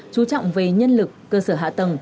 chú trọng về nhân lực cơ sở hạ tầng